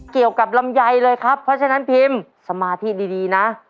ลำไยเลยครับเพราะฉะนั้นพิมสมาธิดีนะ